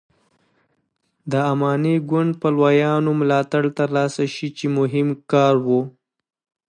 د اماني ګوند پلویانو ملاتړ تر لاسه شي چې مهم کار و.